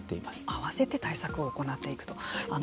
合わせて対策を行っていくと。